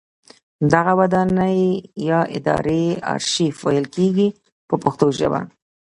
دغه ودانۍ یا ادارې ارشیف ویل کیږي په پښتو ژبه.